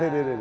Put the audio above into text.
tuh tuh tuh